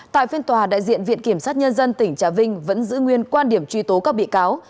tại phiên tòa đại diện viện kiểm sát nhân dân tỉnh trà vinh vẫn giữ nguyên quan điểm truy tố các bị cáo